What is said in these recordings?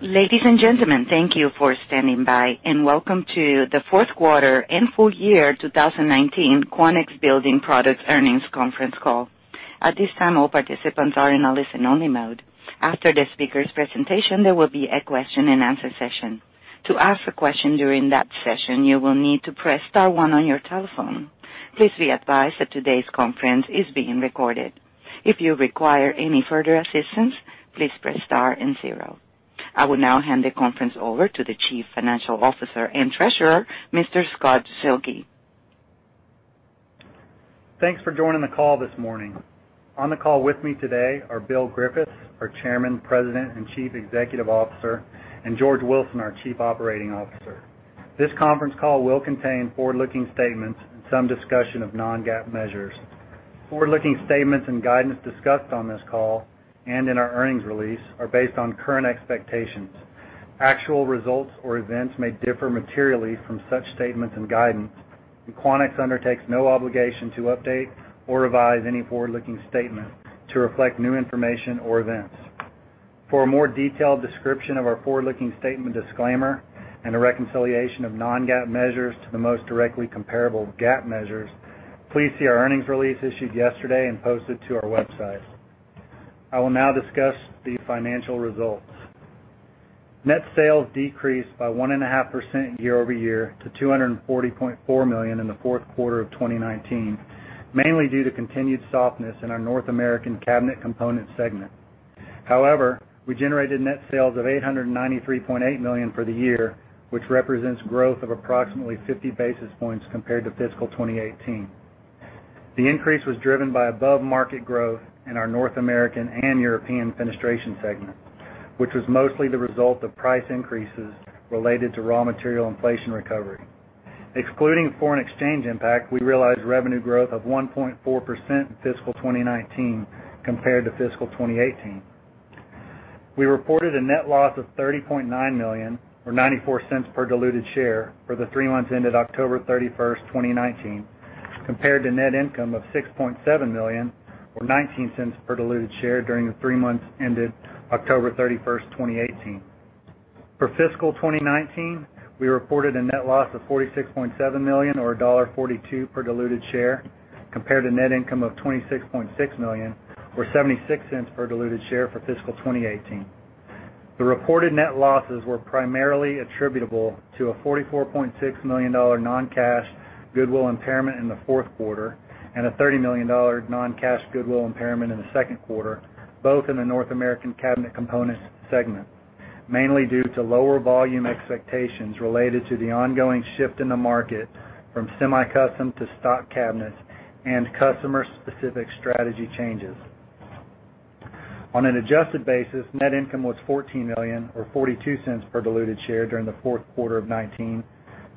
Ladies and gentlemen, thank you for standing by, and welcome to the fourth quarter and full year 2019 Quanex Building Products Earnings Conference Call. At this time, all participants are in a listen-only mode. After the speaker's presentation, there will be a question and answer session. To ask a question during that session, you will need to press star one on your telephone. Please be advised that today's conference is being recorded. If you require any further assistance, please press star and zero. I will now hand the conference over to the Chief Financial Officer and Treasurer, Mr. Scott Zuehlke. Thanks for joining the call this morning. On the call with me today are Bill Griffiths, our Chairman, President, and Chief Executive Officer, and George Wilson, our Chief Operating Officer. This conference call will contain forward-looking statements and some discussion of non-GAAP measures. Forward-looking statements and guidance discussed on this call and in our earnings release are based on current expectations. Actual results or events may differ materially from such statements and guidance, and Quanex undertakes no obligation to update or revise any forward-looking statement to reflect new information or events. For a more detailed description of our forward-looking statement disclaimer and a reconciliation of non-GAAP measures to the most directly comparable GAAP measures, please see our earnings release issued yesterday and posted to our website. I will now discuss the financial results. Net sales decreased by 1.5% year-over-year to $240.4 million in the fourth quarter of 2019, mainly due to continued softness in our North American Cabinet Components segment. We generated net sales of $893.8 million for the year, which represents growth of approximately 50 basis points compared to fiscal 2018. The increase was driven by above-market growth in our North American and European Fenestration segment, which was mostly the result of price increases related to raw material inflation recovery. Excluding foreign exchange impact, we realized revenue growth of 1.4% in fiscal 2019 compared to fiscal 2018. We reported a net loss of $30.9 million, or $0.94 per diluted share, for the three months ended October 31st, 2019, compared to net income of $6.7 million, or $0.19 per diluted share, during the three months ended October 31st, 2018. For fiscal 2019, we reported a net loss of $46.7 million or $1.42 per diluted share, compared to net income of $26.6 million or $0.76 per diluted share for fiscal 2018. The reported net losses were primarily attributable to a $44.6 million non-cash goodwill impairment in the fourth quarter and a $30 million non-cash goodwill impairment in the second quarter, both in the North American Cabinet Components segment, mainly due to lower volume expectations related to the ongoing shift in the market from semi-custom to stock cabinets and customer-specific strategy changes. On an adjusted basis, net income was $14 million, or $0.42 per diluted share during the fourth quarter of 2019,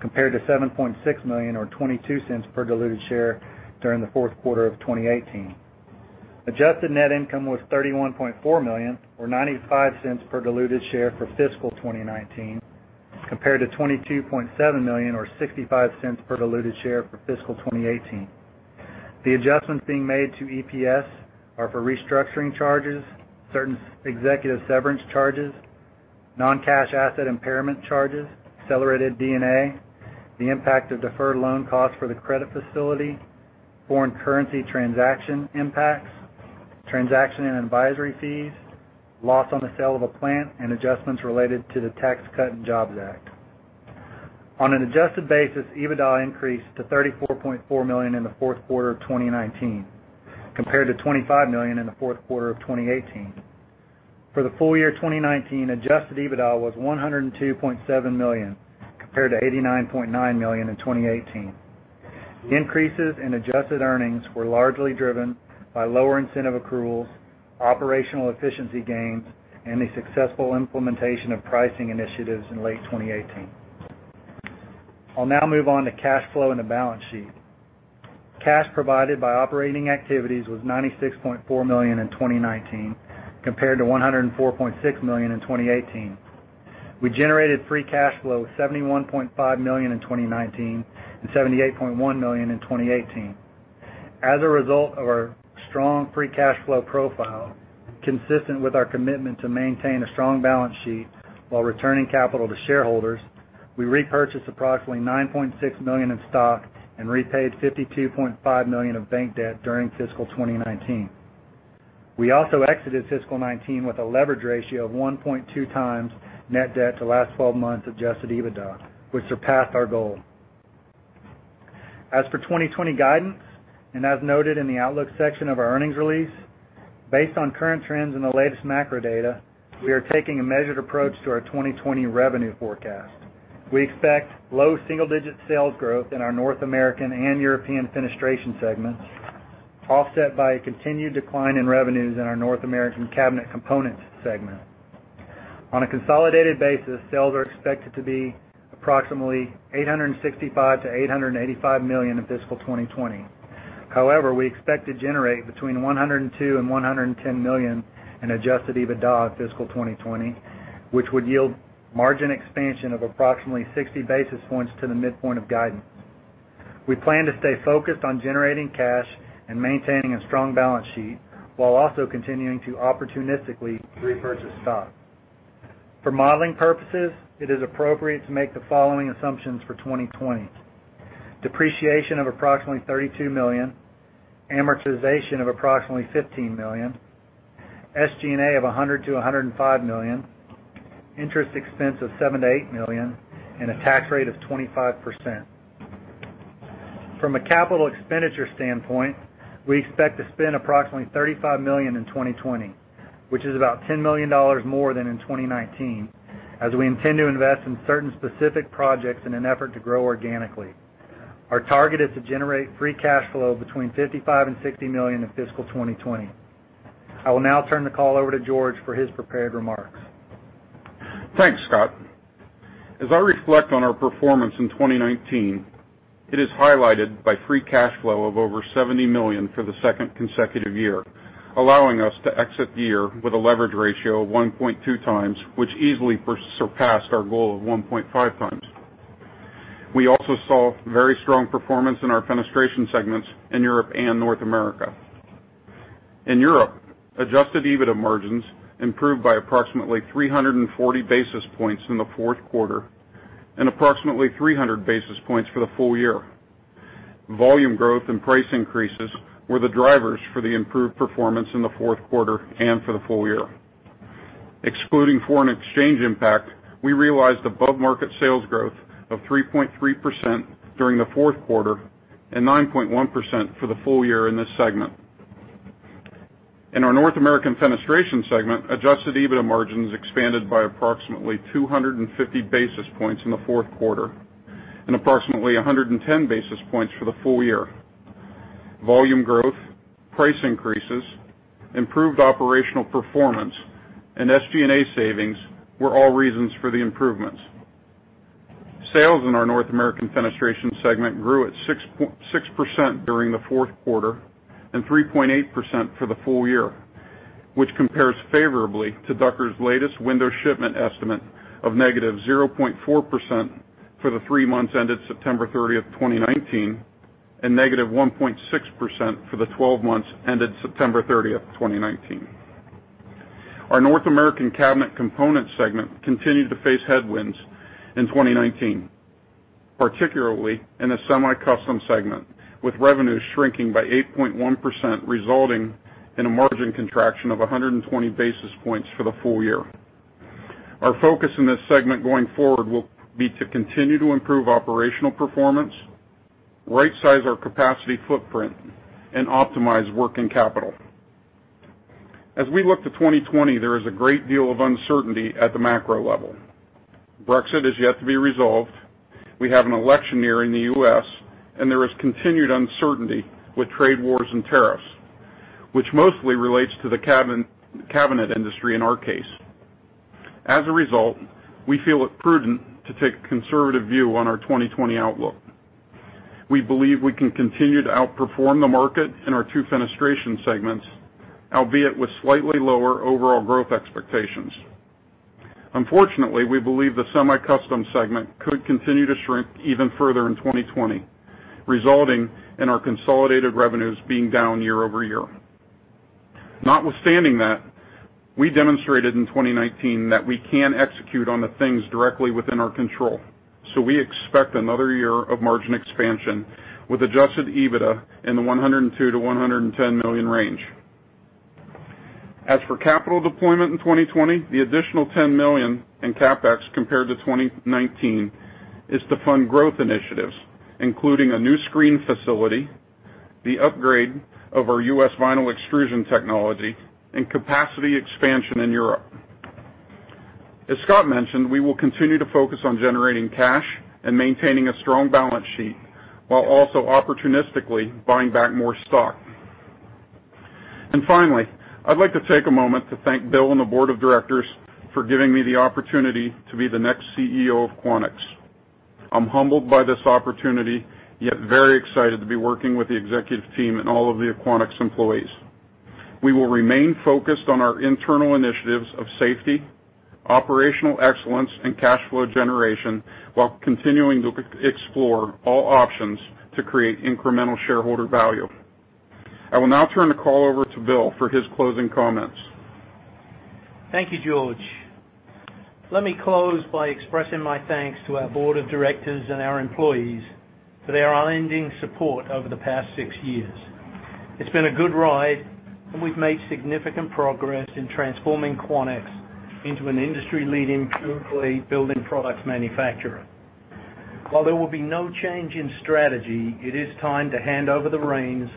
compared to $7.6 million, or $0.22 per diluted share during the fourth quarter of 2018. Adjusted net income was $31.4 million or $0.95 per diluted share for fiscal 2019, compared to $22.7 million or $0.65 per diluted share for fiscal 2018. The adjustments being made to EPS are for restructuring charges, certain executive severance charges, non-cash asset impairment charges, accelerated D&A, the impact of deferred loan costs for the credit facility, foreign currency transaction impacts, transaction and advisory fees, loss on the sale of a plant, and adjustments related to the Tax Cuts and Jobs Act. On an adjusted basis, EBITDA increased to $34.4 million in the fourth quarter of 2019, compared to $25 million in the fourth quarter of 2018. For the full year 2019, adjusted EBITDA was $102.7 million, compared to $89.9 million in 2018. Increases in adjusted earnings were largely driven by lower incentive accruals, operational efficiency gains, and the successful implementation of pricing initiatives in late 2018. I'll now move on to cash flow and the balance sheet. Cash provided by operating activities was $96.4 million in 2019, compared to $104.6 million in 2018. We generated free cash flow of $71.5 million in 2019 and $78.1 million in 2018. As a result of our strong free cash flow profile, consistent with our commitment to maintain a strong balance sheet while returning capital to shareholders, we repurchased approximately $9.6 million in stock and repaid $52.5 million of bank debt during fiscal 2019. We also exited fiscal 2019 with a leverage ratio of 1.2 times net debt to last 12 months adjusted EBITDA, which surpassed our goal. As for 2020 guidance, and as noted in the outlook section of our earnings release, based on current trends in the latest macro data, we are taking a measured approach to our 2020 revenue forecast. We expect low single-digit sales growth in our North American and European Fenestration segments, offset by a continued decline in revenues in our North American Cabinet Components segment. On a consolidated basis, sales are expected to be approximately $865 million-$885 million in fiscal 2020. However, we expect to generate between $102 million and $110 million in adjusted EBITDA fiscal 2020, which would yield margin expansion of approximately 60 basis points to the midpoint of guidance. We plan to stay focused on generating cash and maintaining a strong balance sheet, while also continuing to opportunistically repurchase stock. For modeling purposes, it is appropriate to make the following assumptions for 2020. Depreciation of approximately $32 million, amortization of approximately $15 million, SG&A of $100 million-$105 million, interest expense of $7 million-$8 million, and a tax rate of 25%. From a CapEx standpoint, we expect to spend approximately $35 million in 2020, which is about $10 million more than in 2019, as we intend to invest in certain specific projects in an effort to grow organically. Our target is to generate free cash flow between $55 million and $60 million in fiscal 2020. I will now turn the call over to George for his prepared remarks. Thanks, Scott. As I reflect on our performance in 2019, it is highlighted by free cash flow of over $70 million for the second consecutive year, allowing us to exit the year with a leverage ratio of 1.2 times, which easily surpassed our goal of 1.5 times. We also saw very strong performance in our fenestration segments in Europe and North America. In Europe, adjusted EBIT margins improved by approximately 340 basis points in the fourth quarter, and approximately 300 basis points for the full year. Volume growth and price increases were the drivers for the improved performance in the fourth quarter and for the full year. Excluding foreign exchange impact, we realized above-market sales growth of 3.3% during the fourth quarter and 9.1% for the full year in this segment. In our North American Fenestration segment, adjusted EBITDA margins expanded by approximately 250 basis points in the fourth quarter, and approximately 110 basis points for the full year. Volume growth, price increases, improved operational performance, and SG&A savings were all reasons for the improvements. Sales in our North American Fenestration segment grew at 6% during the fourth quarter and 3.8% for the full year, which compares favorably to Ducker's latest window shipment estimate of negative 0.4% for the three months ended September 30, 2019, and negative 1.6% for the 12 months ended September 30, 2019. Our North American Cabinet Components segment continued to face headwinds in 2019, particularly in the semi-custom segment, with revenues shrinking by 8.1%, resulting in a margin contraction of 120 basis points for the full year. Our focus in this segment going forward will be to continue to improve operational performance, right-size our capacity footprint, and optimize working capital. As we look to 2020, there is a great deal of uncertainty at the macro level. Brexit is yet to be resolved. We have an election year in the U.S., and there is continued uncertainty with trade wars and tariffs, which mostly relates to the cabinet industry in our case. As a result, we feel it prudent to take a conservative view on our 2020 outlook. We believe we can continue to outperform the market in our two fenestration segments, albeit with slightly lower overall growth expectations. Unfortunately, we believe the semi-custom segment could continue to shrink even further in 2020, resulting in our consolidated revenues being down year-over-year. Notwithstanding that, we demonstrated in 2019 that we can execute on the things directly within our control. We expect another year of margin expansion with adjusted EBITDA in the $102 million-$110 million range. As for capital deployment in 2020, the additional $10 million in CapEx compared to 2019 is to fund growth initiatives, including a new screen facility, the upgrade of our U.S. vinyl extrusion technology, and capacity expansion in Europe. As Scott mentioned, we will continue to focus on generating cash and maintaining a strong balance sheet, while also opportunistically buying back more stock. Finally, I'd like to take a moment to thank Bill and the board of directors for giving me the opportunity to be the next CEO of Quanex. I'm humbled by this opportunity, yet very excited to be working with the executive team and all of the Quanex employees. We will remain focused on our internal initiatives of safety, operational excellence, and cash flow generation while continuing to explore all options to create incremental shareholder value. I will now turn the call over to Bill for his closing comments. Thank you, George. Let me close by expressing my thanks to our board of directors and our employees for their unending support over the past six years. It's been a good ride, and we've made significant progress in transforming Quanex into an industry-leading building products manufacturer. While there will be no change in strategy, it is time to hand over the reins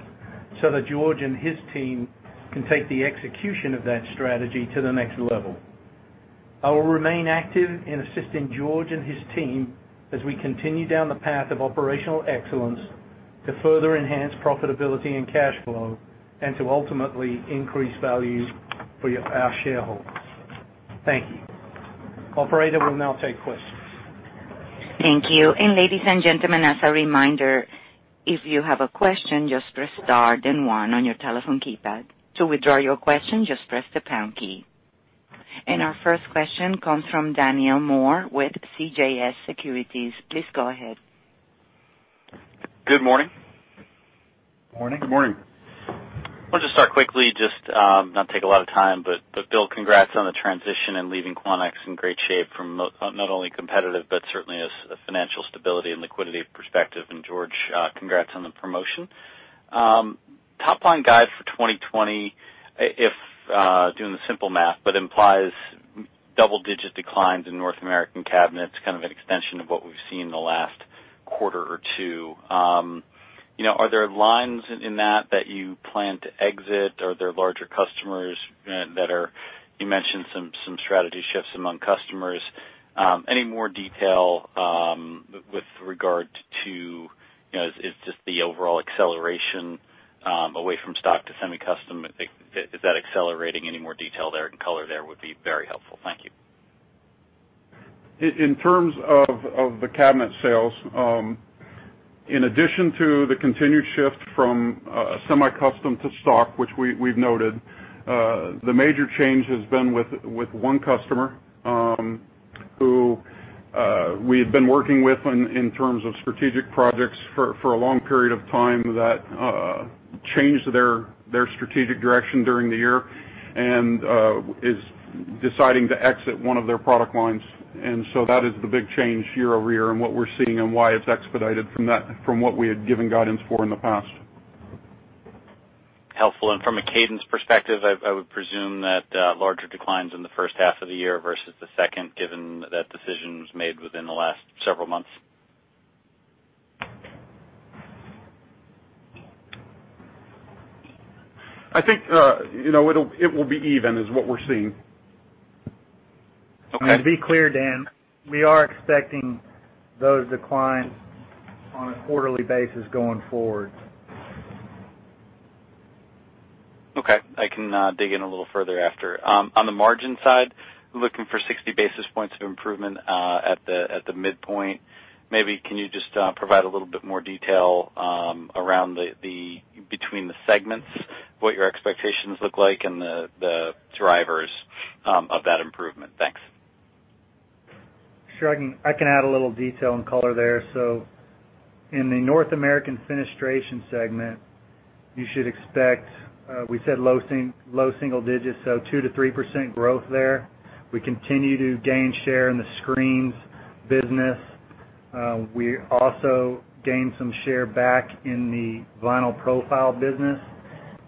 so that George and his team can take the execution of that strategy to the next level. I will remain active in assisting George and his team as we continue down the path of operational excellence to further enhance profitability and cash flow, and to ultimately increase value for our shareholders. Thank you. Operator, we'll now take questions. Thank you. Ladies and gentlemen, as a reminder, if you have a question, just press star then one on your telephone keypad. To withdraw your question, just press the pound key. Our first question comes from Daniel Moore with CJS Securities. Please go ahead. Good morning. Morning. Good morning. I want to start quickly, just not take a lot of time, Bill, congrats on the transition and leaving Quanex in great shape from not only competitive, but certainly a financial stability and liquidity perspective. George, congrats on the promotion. Top line guide for 2020, if doing the simple math, but implies double-digit declines in North American cabinets, kind of an extension of what we've seen in the last quarter or two. Are there lines in that that you plan to exit? You mentioned some strategy shifts among customers. Any more detail with regard to, is this the overall acceleration away from stock to semi-custom? Is that accelerating? Any more detail there and color there would be very helpful. Thank you. In terms of the cabinet sales, in addition to the continued shift from semi-custom to stock, which we've noted, the major change has been with one customer, who we had been working with in terms of strategic projects for a long period of time, that changed their strategic direction during the year and is deciding to exit one of their product lines. That is the big change year-over-year in what we're seeing and why it's expedited from what we had given guidance for in the past. Helpful. From a cadence perspective, I would presume that larger declines in the first half of the year versus the second, given that decision was made within the last several months. I think it will be even, is what we're seeing. Okay. To be clear, Dan, we are expecting those declines on a quarterly basis going forward. Okay. I can dig in a little further after. On the margin side, looking for 60 basis points of improvement at the midpoint. Maybe can you just provide a little bit more detail between the segments, what your expectations look like, and the drivers of that improvement? Thanks. Sure. I can add a little detail and color there. In the North American Fenestration segment, you should expect, we said low single digits, 2%-3% growth there. We continue to gain share in the screens business. We also gained some share back in the vinyl profile business.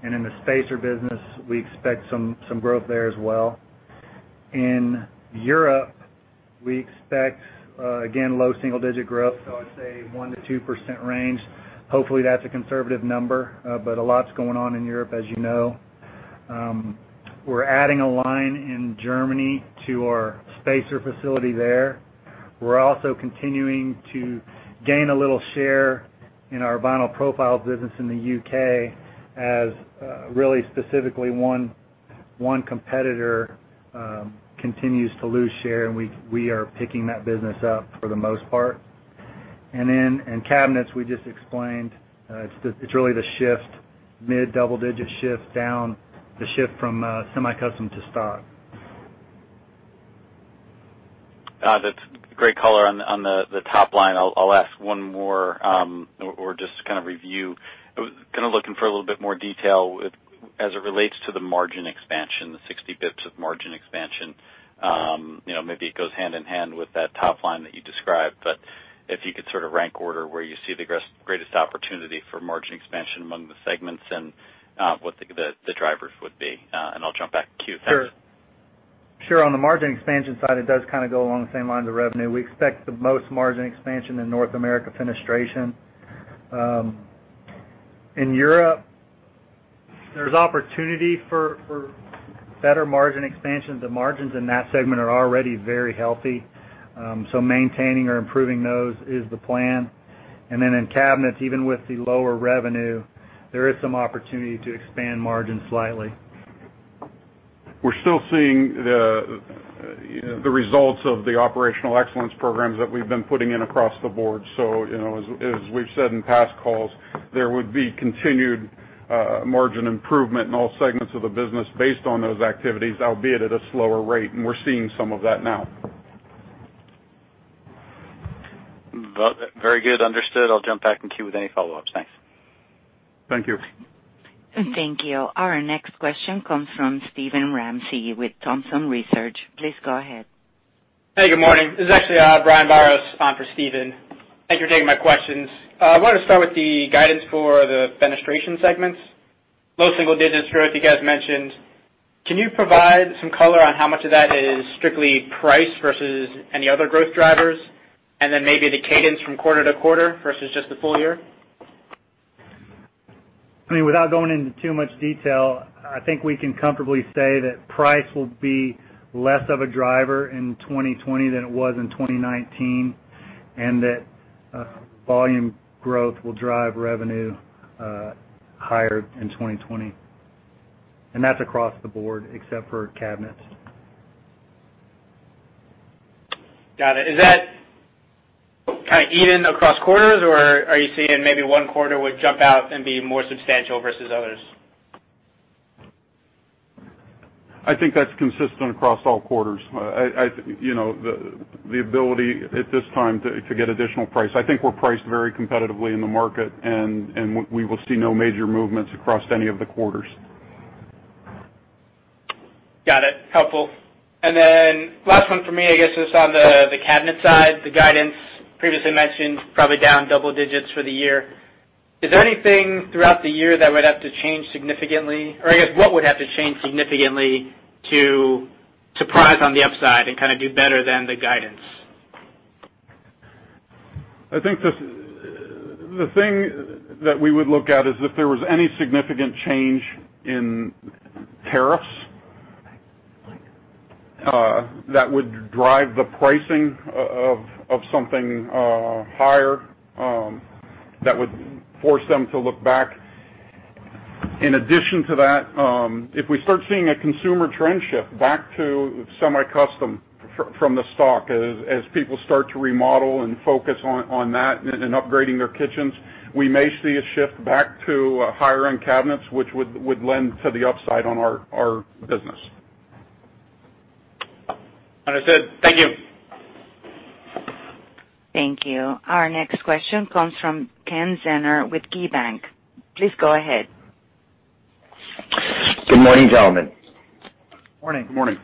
In the spacer business, we expect some growth there as well. In Europe, we expect, again, low single-digit growth. I'd say 1%-2% range. Hopefully, that's a conservative number, but a lot's going on in Europe, as you know. We're adding a line in Germany to our spacer facility there. We're also continuing to gain a little share in our vinyl profile business in the U.K., as really specifically one competitor continues to lose share, and we are picking that business up for the most part. In cabinets, we just explained, it's really the mid-double-digit shift down, the shift from semi-custom to stock. That's great color on the top line. I'll ask one more or just to kind of review. Kind of looking for a little bit more detail as it relates to the margin expansion, the 60 basis points of margin expansion. Maybe it goes hand in hand with that top line that you described, but if you could sort of rank order where you see the greatest opportunity for margin expansion among the segments and what the drivers would be. I'll jump back to you. Thanks. Sure. On the margin expansion side, it does kind of go along the same lines of revenue. We expect the most margin expansion in North American Fenestration. In Europe, there's opportunity for better margin expansion. The margins in that segment are already very healthy. Maintaining or improving those is the plan. In cabinets, even with the lower revenue, there is some opportunity to expand margins slightly. We're still seeing the results of the operational excellence programs that we've been putting in across the board. As we've said in past calls, there would be continued margin improvement in all segments of the business based on those activities, albeit at a slower rate, and we're seeing some of that now. Very good. Understood. I'll jump back in queue with any follow-ups. Thanks. Thank you. Thank you. Our next question comes from Steven Ramsey with Thompson Research. Please go ahead. Hey, good morning. This is actually Brian Biros on for Steven. Thank you for taking my questions. I wanted to start with the guidance for the fenestration segments. Low single digits growth, you guys mentioned. Can you provide some color on how much of that is strictly price versus any other growth drivers? Maybe the cadence from quarter to quarter versus just the full year? I mean, without going into too much detail, I think we can comfortably say that price will be less of a driver in 2020 than it was in 2019, and that volume growth will drive revenue higher in 2020. That's across the board, except for cabinets. Got it. Is that kind of even across quarters, or are you seeing maybe one quarter would jump out and be more substantial versus others? I think that's consistent across all quarters, the ability at this time to get additional price. I think we're priced very competitively in the market. We will see no major movements across any of the quarters. Got it. Helpful. Last one for me, I guess, is on the cabinet side. The guidance previously mentioned, probably down double digits for the year. Is there anything throughout the year that would have to change significantly, or I guess, what would have to change significantly to price on the upside and kind of do better than the guidance? I think the thing that we would look at is if there was any significant change in tariffs that would drive the pricing of something higher, that would force them to look back. In addition to that, if we start seeing a consumer trend shift back to semi-custom from the stock, as people start to remodel and focus on that and upgrading their kitchens, we may see a shift back to higher-end cabinets, which would lend to the upside on our business. Understood. Thank you. Thank you. Our next question comes from Ken Zener with KeyBanc. Please go ahead. Good morning, gentlemen. Morning. Morning.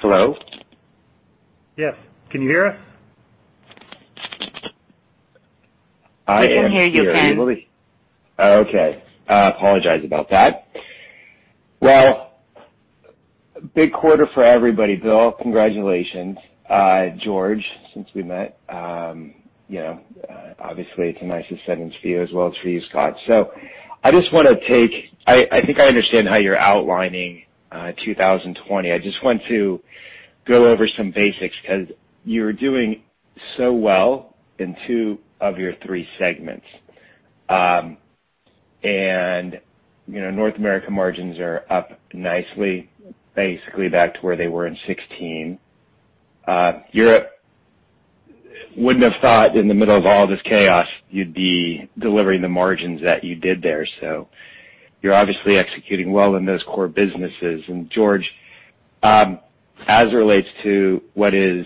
Hello? Yes. Can you hear us? We can hear you, Ken. I am here. Okay. I apologize about that. Big quarter for everybody, Bill. Congratulations. George, since we met, obviously, it's a nice ascent for you as well as for you, Scott. I think I understand how you're outlining 2020. I just want to go over some basics, because you're doing so well in two of your three segments. North American margins are up nicely, basically back to where they were in 2016. Europe, wouldn't have thought in the middle of all this chaos, you'd be delivering the margins that you did there. You're obviously executing well in those core businesses. George, as it relates to what is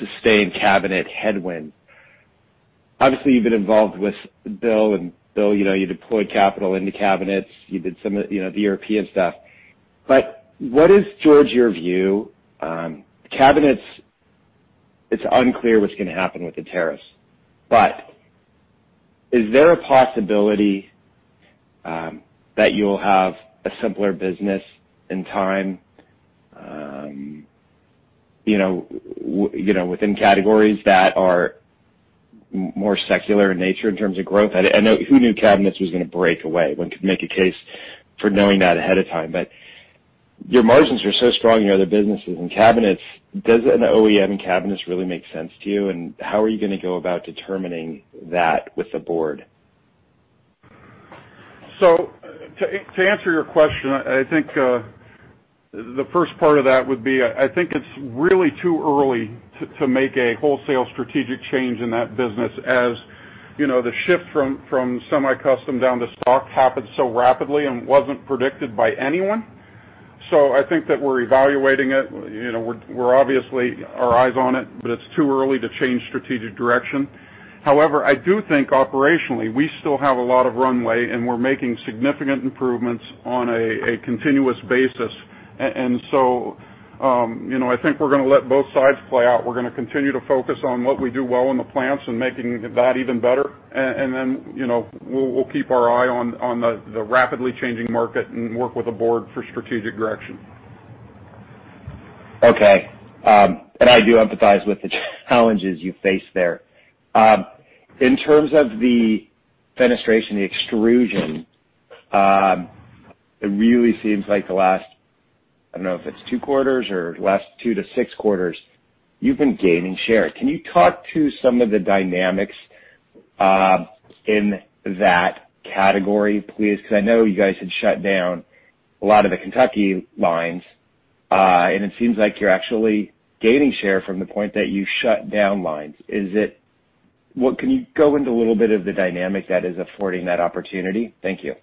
sustained cabinet headwind, obviously, you've been involved with Bill, and Bill, you deployed capital into cabinets. You did some of the European stuff. What is, George, your view? Cabinets, it's unclear what's going to happen with the tariffs. Is there a possibility that you'll have a simpler business in time within categories that are more secular in nature in terms of growth? Who knew Cabinets was going to break away? One could make a case for knowing that ahead of time. Your margins are so strong in your other businesses and Cabinets. Does an OEM in Cabinets really make sense to you? How are you going to go about determining that with the board? To answer your question, I think the first part of that would be, I think it's really too early to make a wholesale strategic change in that business. As the shift from semi-custom down to stock happened so rapidly and wasn't predicted by anyone. I think that we're evaluating it. Obviously, our eye is on it, but it's too early to change strategic direction. However, I do think operationally, we still have a lot of runway, and we're making significant improvements on a continuous basis. I think we're going to let both sides play out. We're going to continue to focus on what we do well in the plants and making that even better. Then, we'll keep our eye on the rapidly changing market and work with the Board for strategic direction. Okay. I do empathize with the challenges you face there. In terms of the fenestration, the extrusion, it really seems like the last, I don't know if it's two quarters or last 2 to 6 quarters, you've been gaining share. Can you talk to some of the dynamics in that category, please? I know you guys had shut down a lot of the Kentucky lines. It seems like you're actually gaining share from the point that you shut down lines. Can you go into a little bit of the dynamic that is affording that opportunity? Thank you.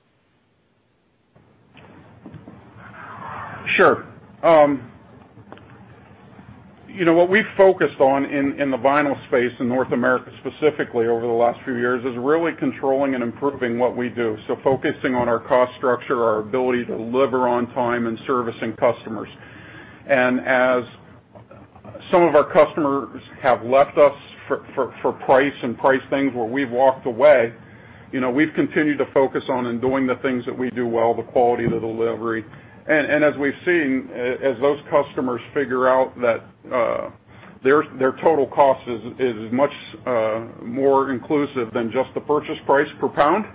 Sure. What we focused on in the vinyl space in North America, specifically over the last few years, is really controlling and improving what we do. Focusing on our cost structure, our ability to deliver on time and servicing customers. As some of our customers have left us for price and price things where we've walked away, we've continued to focus on and doing the things that we do well, the quality, the delivery. As we've seen, as those customers figure out that their total cost is much more inclusive than just the purchase price per pound,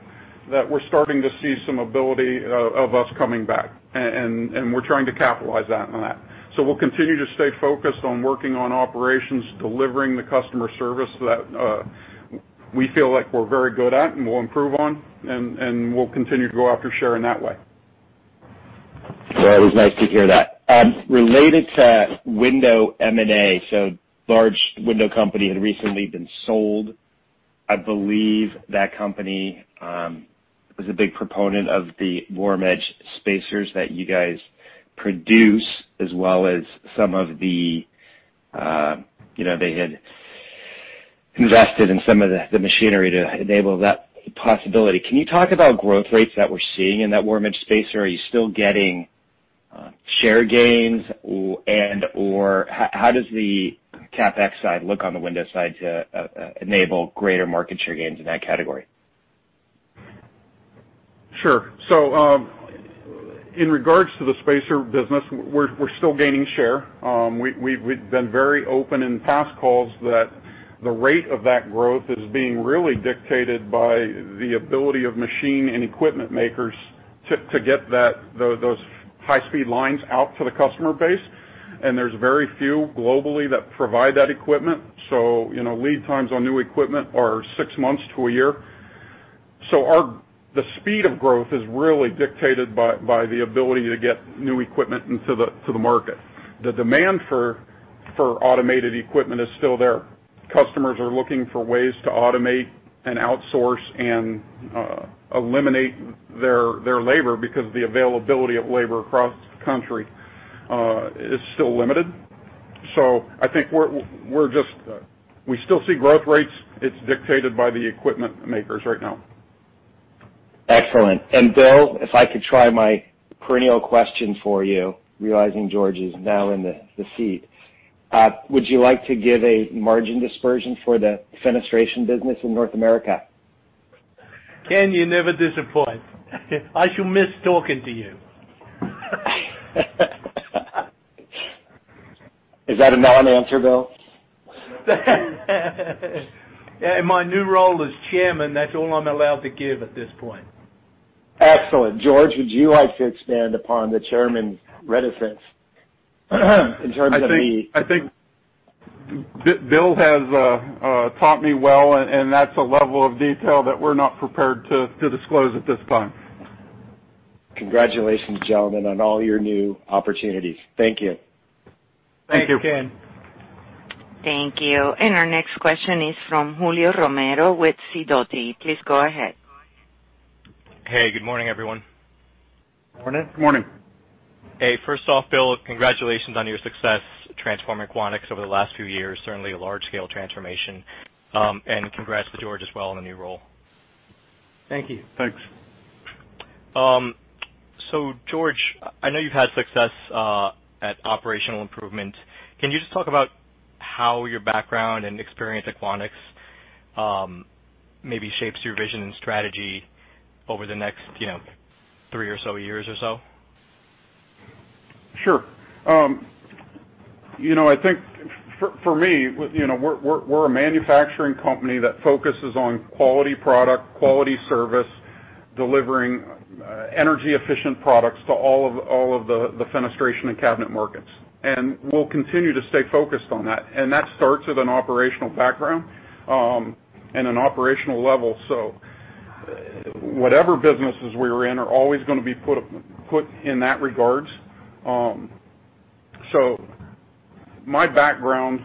that we're starting to see some ability of us coming back. We're trying to capitalize on that. We'll continue to stay focused on working on operations, delivering the customer service that we feel like we're very good at and will improve on, and we'll continue to go after share in that way. Well, it was nice to hear that. Related to window M&A, so large window company had recently been sold. I believe that company, was a big proponent of the warm edge spacers that you guys produce, as well as they had invested in some of the machinery to enable that possibility. Can you talk about growth rates that we're seeing in that warm edge spacer? Are you still getting share gains? Or how does the CapEx side look on the window side to enable greater market share gains in that category? Sure. In regards to the spacer business, we're still gaining share. We've been very open in past calls that the rate of that growth is being really dictated by the ability of machine and equipment makers to get those high-speed lines out to the customer base. There's very few globally that provide that equipment. Lead times on new equipment are 6 months to 1 year. The speed of growth is really dictated by the ability to get new equipment into the market. The demand for automated equipment is still there. Customers are looking for ways to automate and outsource and eliminate their labor because the availability of labor across the country is still limited. I think we still see growth rates. It's dictated by the equipment makers right now. Excellent. Bill, if I could try my perennial question for you, realizing George is now in the seat. Would you like to give a margin dispersion for the Fenestration business in North America? Ken, you never disappoint. I shall miss talking to you. Is that a non-answer, Bill? In my new role as chairman, that's all I'm allowed to give at this point. Excellent. George, would you like to expand upon the Chairman's reticence in terms of the- I think Bill has taught me well, and that's a level of detail that we're not prepared to disclose at this time. Congratulations, gentlemen, on all your new opportunities. Thank you. Thank you, Ken. Thanks. Thank you. Our next question is from Julio Romero with Sidoti. Please go ahead. Hey, good morning, everyone. Morning. Good morning. Hey. First off, Bill, congratulations on your success transforming Quanex over the last few years, certainly a large-scale transformation. Congrats to George as well in the new role. Thank you. Thanks. George, I know you've had success at operational improvement. Can you just talk about how your background and experience at Quanex maybe shapes your vision and strategy over the next three or so years? Sure. I think for me, we're a manufacturing company that focuses on quality product, quality service, delivering energy-efficient products to all of the fenestration and cabinet markets. We'll continue to stay focused on that. That starts with an operational background, and an operational level. Whatever businesses we're in are always going to be put in that regard. My background,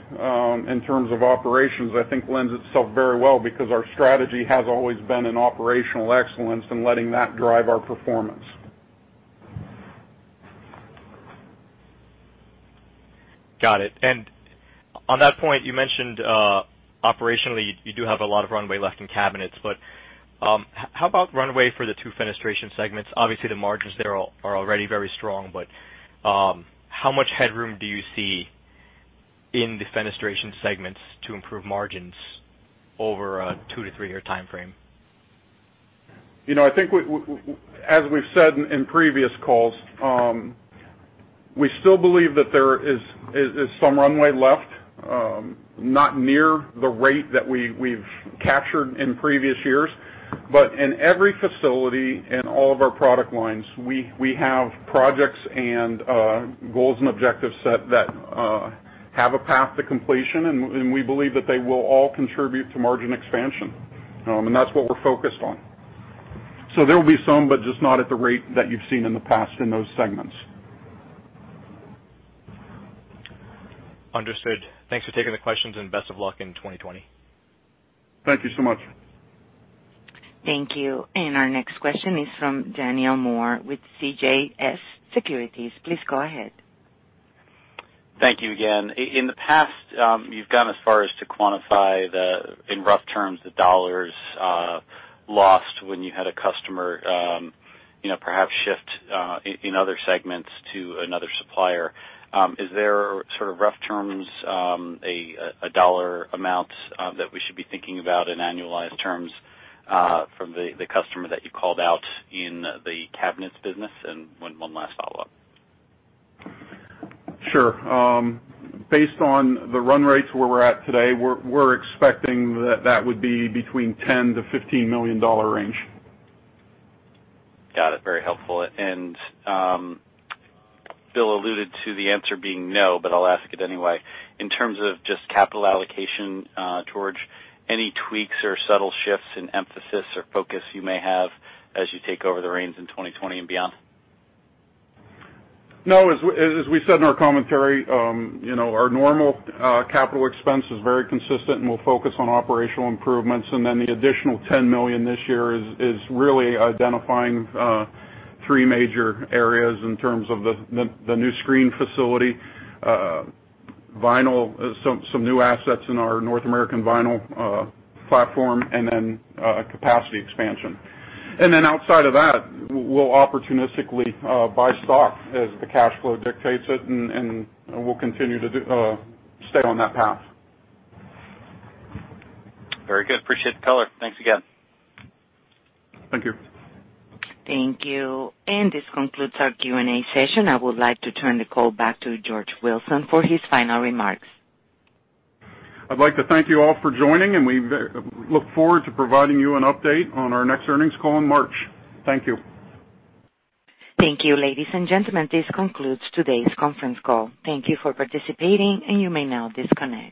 in terms of operations, I think lends itself very well because our strategy has always been in operational excellence and letting that drive our performance. Got it. On that point, you mentioned, operationally, you do have a lot of runway left in cabinets. How about runway for the two fenestration segments? Obviously, the margins there are already very strong, but, how much headroom do you see in the fenestration segments to improve margins over a two- to three-year timeframe? I think as we've said in previous calls, we still believe that there is some runway left, not near the rate that we've captured in previous years. In every facility and all of our product lines, we have projects and goals and objectives set that have a path to completion, and we believe that they will all contribute to margin expansion. That's what we're focused on. There will be some, but just not at the rate that you've seen in the past in those segments. Understood. Thanks for taking the questions, and best of luck in 2020. Thank you so much. Thank you. Our next question is from Daniel Moore with CJS Securities. Please go ahead. Thank you again. In the past, you've gone as far as to quantify the, in rough terms, the dollars lost when you had a customer perhaps shift in other segments to another supplier. Is there sort of rough terms, a dollar amount that we should be thinking about in annualized terms, from the customer that you called out in the cabinets business? One last follow-up. Sure. Based on the run rates where we're at today, we're expecting that that would be between $10 million-$15 million range. Got it. Very helpful. Bill alluded to the answer being no, but I'll ask it anyway. In terms of just capital allocation, George, any tweaks or subtle shifts in emphasis or focus you may have as you take over the reins in 2020 and beyond? No. As we said in our commentary, our normal capital expense is very consistent, and we'll focus on operational improvements. The additional $10 million this year is really identifying three major areas in terms of the new screen facility, some new assets in our North American vinyl platform, and then capacity expansion. Outside of that, we'll opportunistically buy stock as the cash flow dictates it, and we'll continue to stay on that path. Very good. Appreciate the color. Thanks again. Thank you. Thank you. This concludes our Q&A session. I would like to turn the call back to George Wilson for his final remarks. I'd like to thank you all for joining, and we look forward to providing you an update on our next earnings call in March. Thank you. Thank you, ladies and gentlemen. This concludes today's conference call. Thank you for participating, and you may now disconnect.